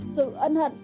sự ân hận